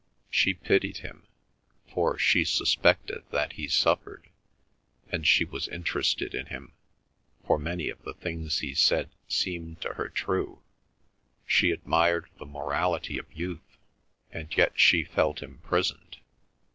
She pitied him, for she suspected that he suffered, and she was interested in him, for many of the things he said seemed to her true; she admired the morality of youth, and yet she felt imprisoned.